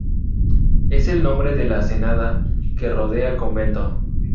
Es el nombre de la senda que rodea el convento.